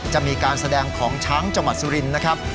จะมีการแสดงของช้างจังหวัดสุรินทร์นะครับ